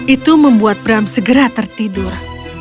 itu membuat bram segera tertidur